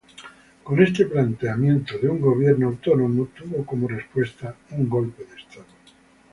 Con este planteamiento de un gobierno autónomo tuvo como respuesta un golpe de estado.